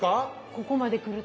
ここまで来ると。